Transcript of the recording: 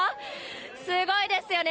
すごいですよね。